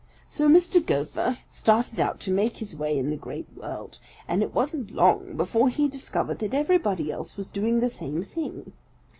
"So Mr. Gopher started out to make his way in the Great World, and it wasn't long before he discovered that everybody else was doing the same thing.